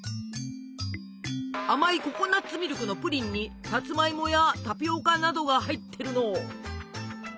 甘いココナツミルクのプリンにさつまいもやタピオカなどが入ってるの。